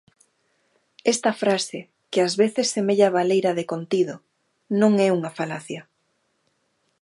Esta frase, que ás veces semella baleira de contido, non é unha falacia.